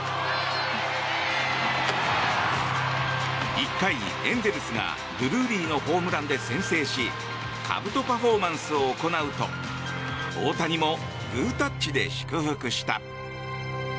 １回、エンゼルスがドゥルーリーのホームランで先制しかぶとパフォーマンスを行うと大谷もグータッチで祝福した。